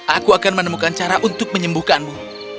aku akan menemukan cara untuk menyembuhkanmu